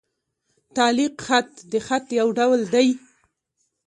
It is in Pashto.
تعلیق خط؛ د خط یو ډول دﺉ.